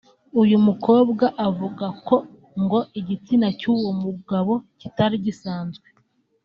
uyu mukobwa avuga ko ngo igitsina cy’uwo mugabo kitari gisanzwe